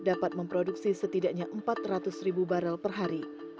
dapat memproduksi setidaknya empat ratus ribu barrel per hari